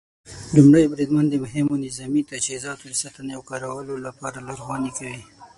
لومړی بریدمن د مهمو نظامي تجهیزاتو د ساتنې او کارولو لپاره لارښوونې ورکوي.